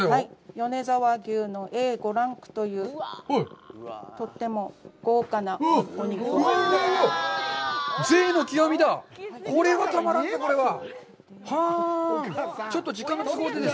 米沢牛のＡ５ランクという、とっても豪華なお肉です。